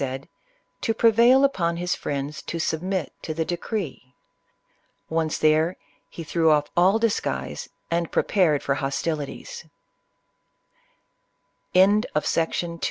25 said, to prevail upon his friends to submit to the decree. Once there, he threw off all disguise, and prepared for hostilities.